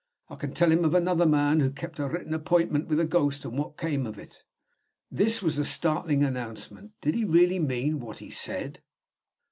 I can tell him of another man who kept a written appointment with a ghost, and what came of it." This was a startling announcement. Did he really mean what he said?